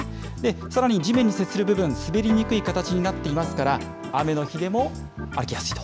さらに地面に接する部分、滑りにくい形になっていますから、雨の日でも歩きやすいと。